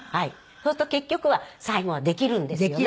そうすると結局は最後はできるんですよね。